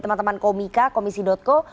teman teman komika komisi co